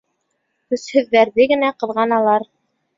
Көсһөҙҙәрҙе генә ҡыҙғаналар.